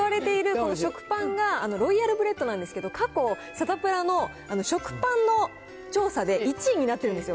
この食パンがロイヤルブレッドなんですけど、過去、サタプラの食パンの調査で１位になってるんですよ。